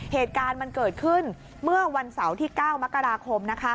เหตุการณ์มันเกิดขึ้นเมื่อวันเสาร์ที่๙มกราคม